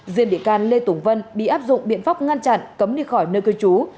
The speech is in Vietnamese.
riêng bị can lê tùng vân bị áp dụng biện pháp ngăn chặn cấm đi khỏi nơi cư trú